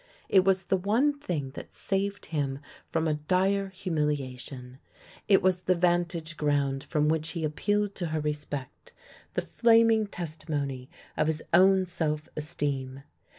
It was the one thing that saved him from a dire humiliation; it was the vantage ground from which he appealed to her respect, the flaming tes timony of his own self esteem.